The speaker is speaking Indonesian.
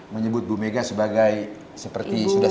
menyebut ibu mega sudah seperti ibu sendiri